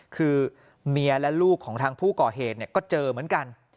คือเมียและลูกของทางผู้ก่อเหตุก็เจอเหมือนกัน